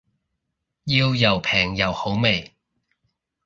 要又平又好味